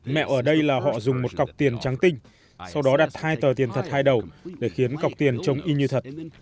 mẹo ở đây là họ dùng một cọc tiền trắng tinh sau đó đặt hai tờ tiền thật hai đầu để khiến cọc tiền trông y như thật